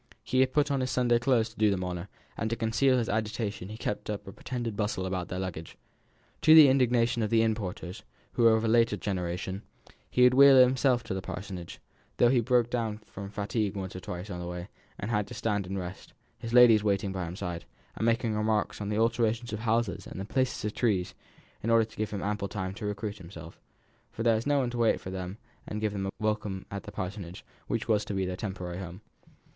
He had put on his Sunday clothes to do them honour; and to conceal his agitation he kept up a pretended bustle about their luggage. To the indignation of the inn porters, who were of a later generation, he would wheel it himself to the Parsonage, though he broke down from fatigue once or twice on the way, and had to stand and rest, his ladies waiting by his side, and making remarks on the alterations of houses and the places of trees, in order to give him ample time to recruit himself, for there was no one to wait for them and give them a welcome to the Parsonage, which was to be their temporary home.